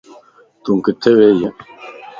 تون ڪٿي وي